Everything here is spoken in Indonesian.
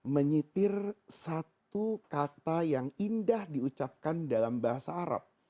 menyitir satu kata yang indah diucapkan dalam bahasa arab